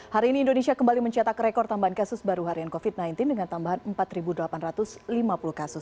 hari ini indonesia kembali mencetak rekor tambahan kasus baru harian covid sembilan belas dengan tambahan empat delapan ratus lima puluh kasus